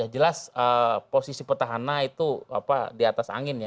jelas posisi petahana itu di atas angin ya